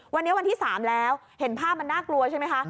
วันนี้วันที่๓แล้วเห็นภาพมันน่ากลัวใช่ไหมคะ